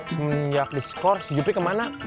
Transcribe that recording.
semenjak diskor si jupri kemana